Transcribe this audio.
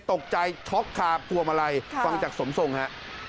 ตกใจช็อกคาบพวงมาลัยฟังจากสมทรงฮะ